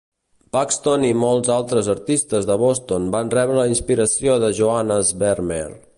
Paxton i molts altres artistes de Boston van rebre la inspiració de Johannes Vermeer.